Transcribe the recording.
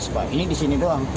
sebelas pak ini di sini doang